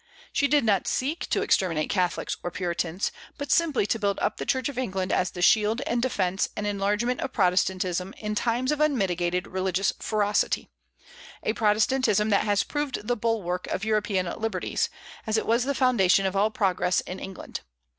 She did not seek to exterminate Catholics or Puritans, but simply to build up the Church of England as the shield and defence and enlargement of Protestantism in times of unmitigated religious ferocity, a Protestantism that has proved the bulwark of European liberties, as it was the foundation of all progress in England.